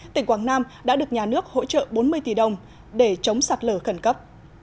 tỉnh quảng nam đã được nhà nước hỗ trợ bốn mươi tỷ đồng để chống sạt lở khẩn cấp